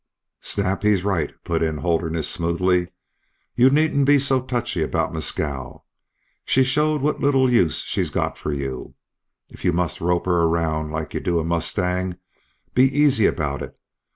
"Snap, he's right," put in Holderness, smoothly. "You needn't be so touchy about Mescal. She's showed what little use she's got for you. If you must rope her around like you do a mustang, be easy about it.